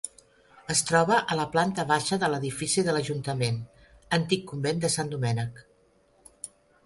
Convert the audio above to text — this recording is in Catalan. Es troba a la planta baixa de l'edifici de l'Ajuntament, antic convent de Sant Domènec.